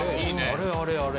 あれあれあれ？